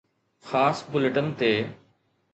خاص بليٽن تي